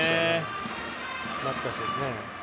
懐かしいですね。